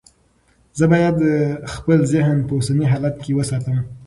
زه باید خپل ذهن په اوسني حالت کې وساتم.